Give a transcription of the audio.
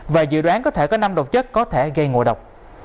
và dự đoán có thể có năm độc chất có thể gây ngộ độc